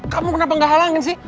kamu kenapa gak halangin sih